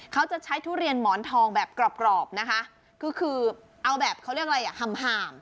เขาจะใช้ทุเรียนหมอนทองแบบกรอบนะคะคือเอาแบบเขาเรียกอะไรห่ำ